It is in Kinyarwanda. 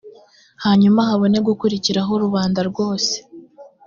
hanyuma habone gukurikiraho rubanda rwose.